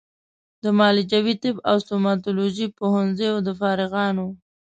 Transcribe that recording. د معالجوي طب او ستوماتولوژي پوهنځیو د فارغانو